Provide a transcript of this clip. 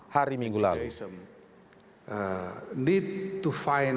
hari minggu lalu